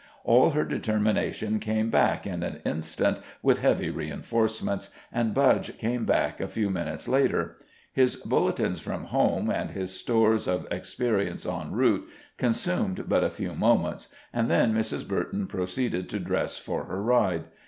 All her determination came back in an instant with heavy reinforcements, and Budge came back a few minutes later. His bulletins from home, and his stores of experiences en route consumed but a few moments, and then Mrs. Burton proceeded to dress for her ride.